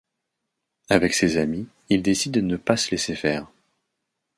Avec ses amis, il décide de ne pas se laisser faire.